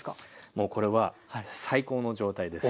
もうこれは最高の状態です。